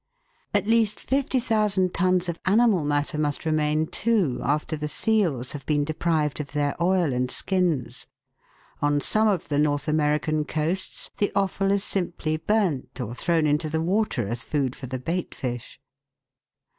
At least 50,000 tons of animal matter must remain, too, after the seals have been deprived of their oil and skins. On some of the North American coasts the offal is simply burnt or thrown into the water as food for the bait fish.